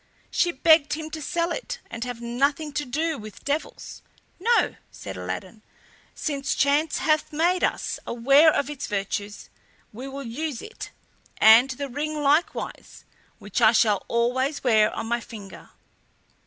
She begged him to sell it, and have nothing to do with devils. "No," said Aladdin, "since chance hath made us aware of its virtues, we will use it, and the ring likewise, which I shall always wear on my finger."